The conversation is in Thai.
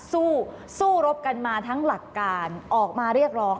สู้สู้รบกันมาทั้งหลักการออกมาเรียกร้อง